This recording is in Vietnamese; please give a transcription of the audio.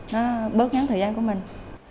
nó bớt ngắn thời gian của mình